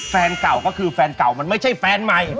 แฟนเก่าก็คือแฟนเก่ามันไม่ใช่แฟนใหม่